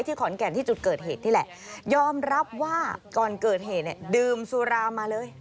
ขอนแก่นที่จุดเกิดเหตุนี่แหละยอมรับว่าก่อนเกิดเหตุเนี่ยดื่มสุรามาเลย